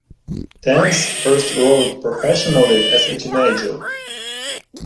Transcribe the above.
Tan's first wrote professionally as a teenager.